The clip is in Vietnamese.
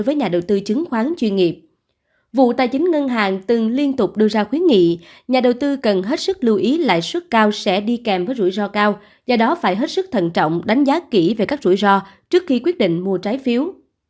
vụ tài chính ngân hàng từng liên tục đưa ra khuyến nghị nhà đầu tư cần hết sức lưu ý lại suất cao sẽ đi kèm với rủi ro cao do đó phải hết sức thận trọng đánh giá kỹ về các rủi ro trước khi quyết định mua trái phiếu